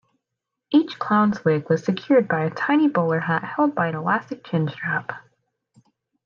Each clown's wig was secured by a tiny bowler hat held by an elastic chin-strap.